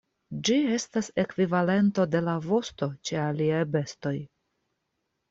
Ĝi estas ekvivalento de la vosto ĉe aliaj bestoj.